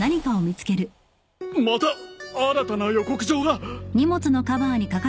また新たな予告状が。